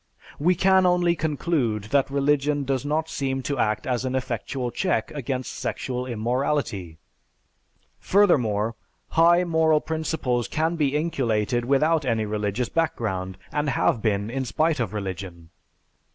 We can only conclude that religion does not seem to act as an effectual check against sexual immorality. Furthermore, high moral principles can be inculcated without any religious background, and have been in spite of religion.